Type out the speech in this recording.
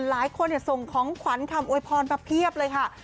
หลายคนเนี่ยส่งของขวัญคำโอยพรมาเภพเลยค่ะ